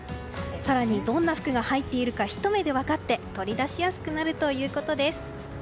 更にどんな服が入っているか一目で分かって取り出しやすくなるということです。